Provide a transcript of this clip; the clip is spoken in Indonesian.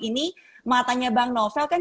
ini matanya bang novel kan